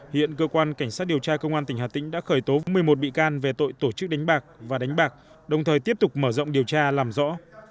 hiện cơ quan cảnh sát điều tra công an tỉnh hà tĩnh đã khởi tố một mươi một bị can về tội tổ chức đánh bạc và đánh bạc đồng thời tiếp tục mở rộng điều tra làm rõ